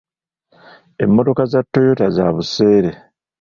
Emmotoka za toyota za buseere.